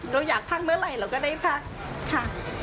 เราอยากพักเมื่อไหร่เราก็ได้พักค่ะ